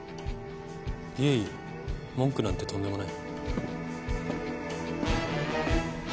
いえいえ文句なんてとんでもない。